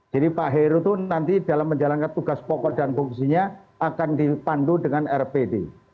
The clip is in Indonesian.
jadi pak heru itu nanti dalam menjalankan tugas pokok dan fungsinya akan dipandu dengan rpd